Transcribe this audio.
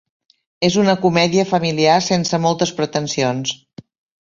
És una comèdia familiar sense moltes pretensions.